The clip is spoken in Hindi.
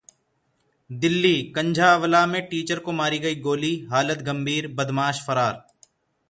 दिल्ली: कंझावला में टीचर को मारी गई गोली, हालत गंभीर, बदमाश फरार